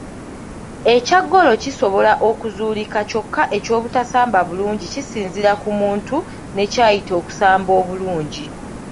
Ekya ggoolo kisobola okuzuulika kyokka eky’obutasamba bulungi kisinziira ku muntu ne ky’ayita okusamba obulungi.